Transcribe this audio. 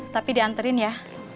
tapi diantarin ya